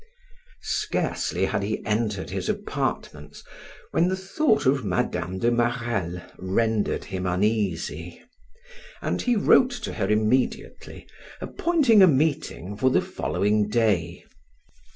Scarcely had he entered his apartments when the thought of Mme. de Marelle rendered him uneasy, and he wrote to her immediately, appointing a meeting for the following day.